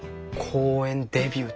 公園デビュー？